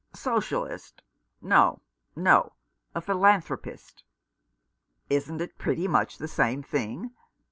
" Socialist — no, no, a philanthropist." " Isn't it pretty much the same thing